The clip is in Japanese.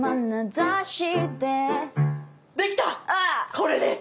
これです！